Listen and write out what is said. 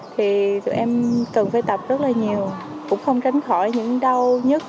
thì tụi em cần phải tập rất là nhiều cũng không tránh khỏi những đau nhất